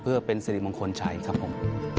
เพื่อเป็นสิริมงคลชัยครับผม